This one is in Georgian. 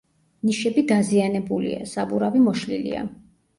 ნიშები დაზიანებულია; საბურავი მოშლილია.